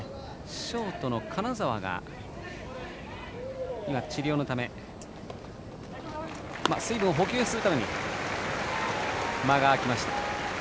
ショートの金澤が水分を補給するために間が空きました。